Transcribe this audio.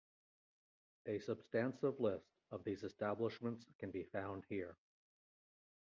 A substantive list of these establishments can be found here.